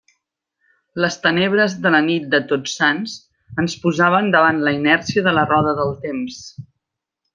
Les tenebres de la nit de Tots Sants ens posaven davant la inèrcia de la roda del temps.